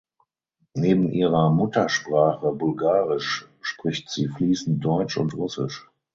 Neben ihrer Muttersprache Bulgarisch spricht sie fließend Deutsch und Russisch.